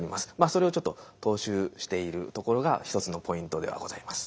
それをちょっと踏襲しているところが一つのポイントではございます。